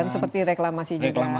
seperti reklamasi juga